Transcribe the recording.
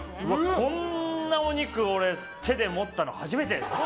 こんなお肉、俺手で持ったの初めてです。